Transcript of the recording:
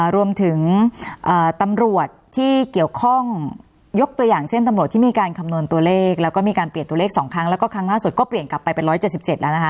รวมถึงตำรวจที่เกี่ยวข้องยกตัวอย่างเช่นตำรวจที่มีการคำนวณตัวเลขแล้วก็มีการเปลี่ยนตัวเลข๒ครั้งแล้วก็ครั้งล่าสุดก็เปลี่ยนกลับไปเป็น๑๗๗แล้วนะคะ